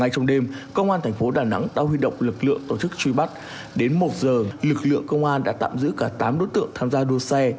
trong đêm công an thành phố đà nẵng đã huy động lực lượng tổ chức truy bắt đến một giờ lực lượng công an đã tạm giữ cả tám đối tượng tham gia đua xe